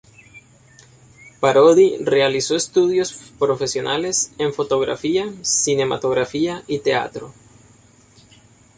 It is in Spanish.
Parodi realizó estudios profesionales en fotografía, cinematografía y teatro.